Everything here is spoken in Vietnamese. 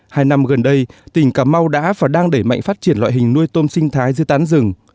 hai năm gần đây tỉnh cà mau đã và đang đẩy mạnh phát triển loại hình nuôi tôm sinh thái dưới tán rừng